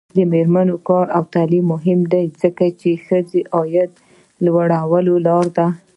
د میرمنو کار او تعلیم مهم دی ځکه چې ښځو عاید لوړولو لاره ده.